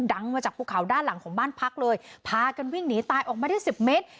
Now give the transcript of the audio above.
ดังมาจากภูเขาด้านหลังของบ้านพักเลยพากันวิ่งหนีตายออกมาได้สิบเมตร